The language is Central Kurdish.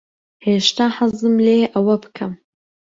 هێشتا حەزم لێیە ئەوە بکەم.